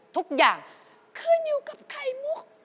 ทุกอย่างขึ้นอยู่กับไข่มุก